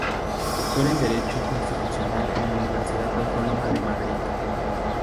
Doctor en Derecho Constitucional en la Universidad Autónoma de Madrid.